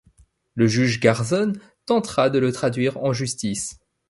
Le juge Garzón tentera de le traduire en justice.